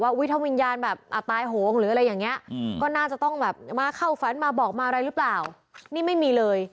ภูมิใสเรื่องอะไรอย่างนี้